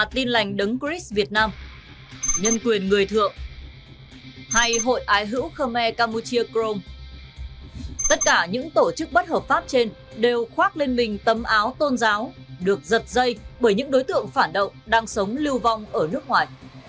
tất cả những tổ chức bất hợp pháp trên đều khoác lên mình tấm áo tôn giáo được giật dây bởi những đối tượng phản động đang sống lưu vong ở nước ngoài